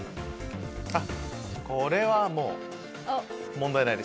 あっこれはもう問題ないです。